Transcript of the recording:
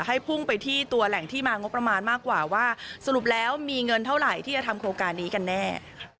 ให้พุ่งไปที่ตัวแหล่งที่มางบประมาณมากกว่าว่าสรุปแล้วมีเงินเท่าไหร่ที่จะทำโครงการนี้กันแน่